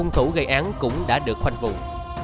cung thủ gây án cũng đã được khoanh vùng